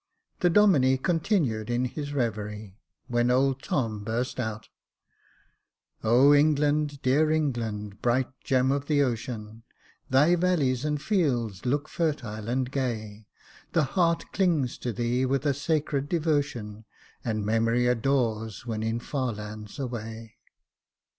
The Domine continued in his reverie, when old Tom burst out —" O England, dear England, bright gem of the ocean, Thy valleys and fields look fertile and gay, The heart clings to thee with a sacred devotion, And memory adores when in far lands away."